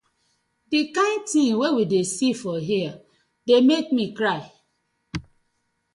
Di kin tin wey we dey see for here dey mek mi cry.